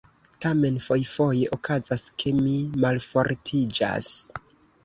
Tamen fojfoje okazas, ke mi malfortiĝas..